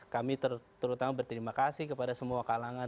kami terutama berterima kasih kepada semua kalangan